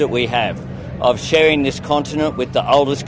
apakah diperliesi dengan baik